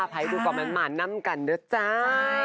ภายพูดก่อหม่านน้ำกันเดี๋ยวจ้า